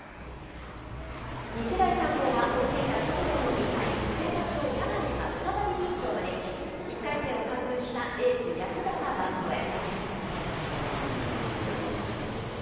日大三高は追いついた直後の２回、先発の谷亀が再びピンチを招き、１回戦を完封したエース、安田がマウンドへ。